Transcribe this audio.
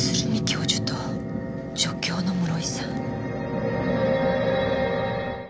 教授と助教の室井さん。